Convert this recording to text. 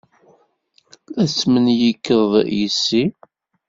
La tetmenyikeḍ yes-i?